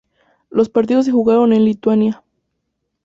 Los partidos se jugaron en Lituania.